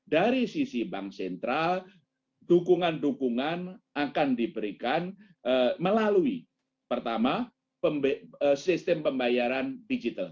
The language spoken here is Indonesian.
dari sisi bank sentral dukungan dukungan akan diberikan melalui pertama sistem pembayaran digital